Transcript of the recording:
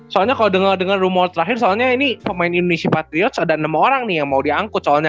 soalnya kalau dengar dengar rumor terakhir soalnya ini pemain indonesia patriots ada enam orang nih yang mau diangkut soalnya